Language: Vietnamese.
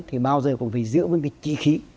thì bao giờ cũng phải giữ vững cái chí khí